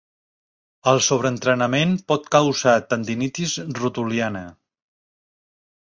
El sobreentrenament pot causar tendinitis rotuliana.